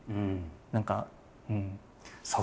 何かうん。